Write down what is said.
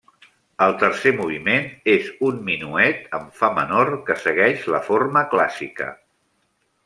El tercer moviment és un minuet en fa menor que segueix la forma clàssica.